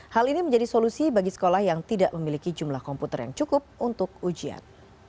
hal ini menjadi solusi bagi sekolah yang tidak memiliki jumlah komputer yang cukup untuk ujian